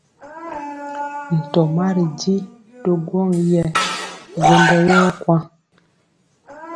Ntɔma ri ji to gwɔŋ yɛ gwondɔ yɔ kwaŋ.